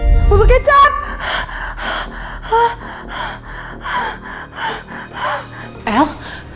apa yang terjadi el